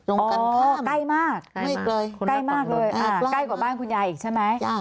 ตรงกันข้ามอ๋อใกล้มากไม่ไกลใกล้มากเลยอ่าใกล้กว่าบ้านคุณยายอีกใช่ไหม